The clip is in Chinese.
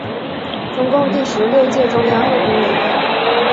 中共第十六届中央候补委员。